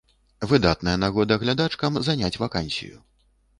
Выдатная нагода глядачкам заняць вакансію.